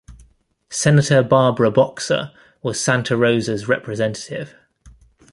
Senator Barbara Boxer was Santa Rosa's representative.